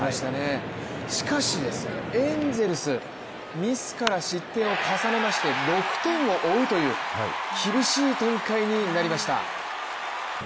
しかしエンゼルス、ミスから失点を重ねまして６点を追うという厳しい展開になりました。